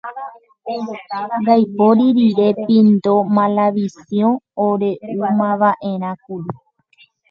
Ndaipóri rire Pindo Malavisiõ ore'úmava'erãkuri.